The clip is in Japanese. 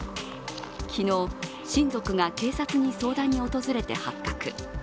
昨日、親族が警察に相談に訪れて発覚。